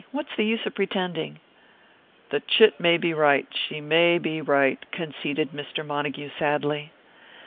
What's the use of pretending?" "The chit may be right, she may be right," conceded Mr. Montague sadly.